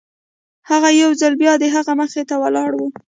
هغه يو ځل بيا د هغه مخې ته ولاړ و.